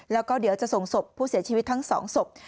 แล้วก็เดี๋ยวจะส่งศพผู้เสียชีวิตทั้งสองศพ